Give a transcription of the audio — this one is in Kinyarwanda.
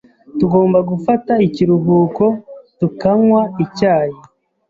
Tugomba gufata ikiruhuko tukanywa icyayi.